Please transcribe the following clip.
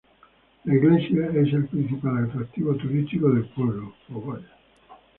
La iglesia es el principal atractivo turístico del pueblo.